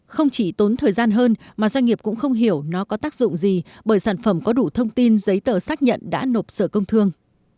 không chỉ tốn thời gian hơn mà doanh nghiệp cũng không hiểu nó có tác dụng gì bởi sản phẩm có đủ thông tin giấy tờ xác nhận đã nộp sở công thương